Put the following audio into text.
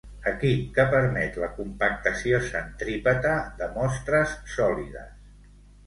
Equip que permet la compactació centrípeta de mostres sòlides.